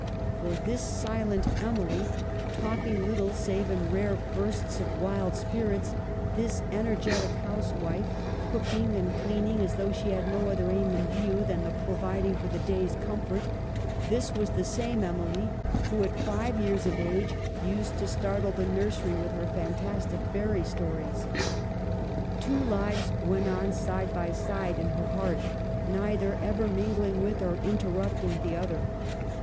For this silent Emily, talk ing little save in rare bursts of wild spirits ; this energetic housewife, cooking and cleaning as CHILDHOOD. 69 though she had no other aim in view than the providing for the day's comfort ; this was the same Emily who at five years of age used to startle the nursery with her fantastic fairy sto ries. Two lives went on side by side in her heart, neither ever mingling with or interrupt ing the other.